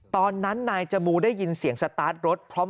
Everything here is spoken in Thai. ตอนนั้นนายจมูร์ได้ยินเสียงสตาร์ทรถ